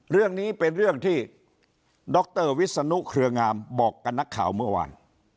เรื่องนี้เป็นเรื่องที่ดรวิศนุเครืองามบอกกับนักข่าวเมื่อวาน